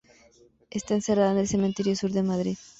Está enterrada en el Cementerio Sur de Madrid.